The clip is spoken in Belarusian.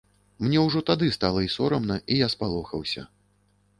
Мне ўжо тады стала і сорамна, і я спалохаўся.